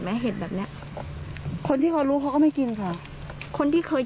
เห็ดแบบเนี้ยคนที่เขารู้เขาก็ไม่กินค่ะคนที่เคย